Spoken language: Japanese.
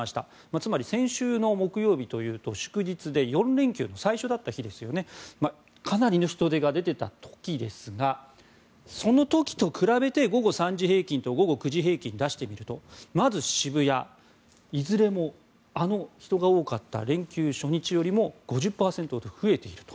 つまり先週の木曜日というと祝日で４連休の最初だった日かなりの人出が出ていた時ですがその時と比べて、午後３時平均と午後９時平均を出してみるとまず渋谷、いずれもあの人が多かった連休初日よりも５０％ほど増えていると。